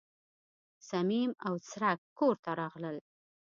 صمیم او څرک کور ته راغلل.